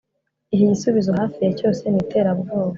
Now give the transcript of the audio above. Iki gisubizo hafi ya cyose ni iterabwoba